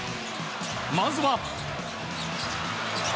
まずは。